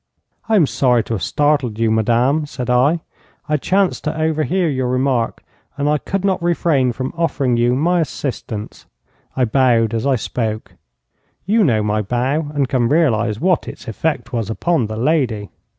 'I am sorry to have startled you, madame,' said I. 'I chanced to overhear your remark, and I could not refrain from offering you my assistance.' I bowed as I spoke. You know my bow, and can realize what its effect was upon the lady.